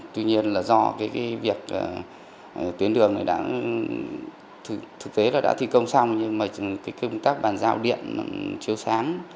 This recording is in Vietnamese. tuy nhiên do việc tuyến đường thực tế đã thi công xong nhưng mà công tác bàn giao điện chiếu sáng